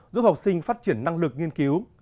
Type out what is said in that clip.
giúp học sinh phát triển năng lực nghiên cứu